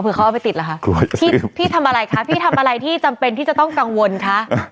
คือเขาเอาไปติดเหรอคะพี่ทำอะไรคะพี่ทำอะไรที่จำเป็นที่จะต้องกังวลคะ